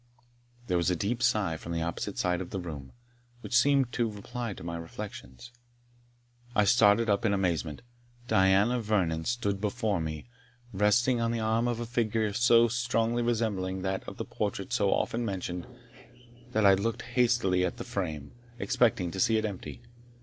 There was a deep sigh from the opposite side of the room, which seemed to reply to my reflections. I started up in amazement Diana Vernon stood before me, resting on the arm of a figure so strongly resembling that of the portrait so often mentioned, that I looked hastily at the frame, expecting to see it empty.